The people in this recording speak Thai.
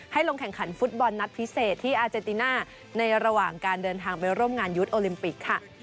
ลงแข่งขันฟุตบอลนัดพิเศษที่อาเจนติน่าในระหว่างการเดินทางไปร่วมงานยุทธ์โอลิมปิกค่ะ